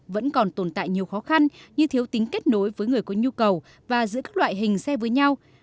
vẫn còn tồn tại nhiều khó khăn như thiếu tính kết nối với người có nhu cầu và giữa các loại hình xe với nhau